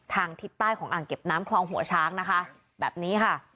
ทิศใต้ของอ่างเก็บน้ำคลองหัวช้างนะคะแบบนี้ค่ะ